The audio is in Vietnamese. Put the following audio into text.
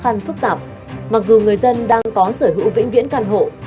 khó khăn phức tạp mặc dù người dân đang có sở hữu vĩnh viễn căn hộ